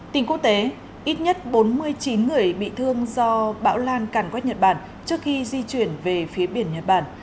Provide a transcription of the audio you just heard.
tình quốc tế ít nhất bốn mươi chín người bị thương do bão lan càn quét nhật bản trước khi di chuyển về phía biển nhật bản